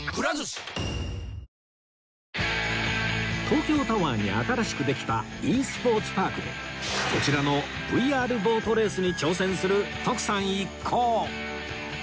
東京タワーに新しくできた ｅ スポーツパークでこちらの ＶＲ ボートレースに挑戦する徳さん一行